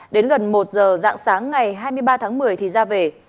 đến gần một giờ dạng sáng ngày hai mươi ba tháng một mươi thì ra về